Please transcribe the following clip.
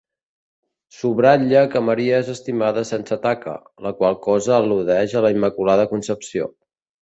Subratlla que Maria és estimada sense taca; la qual cosa al·ludeix a la Immaculada Concepció.